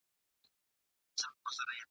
چي سزا یی مرگ وو